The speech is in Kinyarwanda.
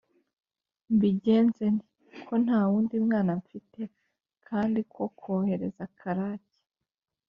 mbigenze nte, ko nta wundi mwana mfite; kandi ko kohereza Karake